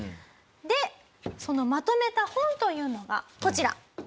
でそのまとめた本というのがこちら。